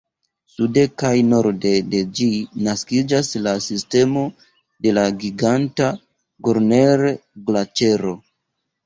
Sude kaj norde de ĝi naskiĝas la sistemo de la giganta Gorner-Glaĉero.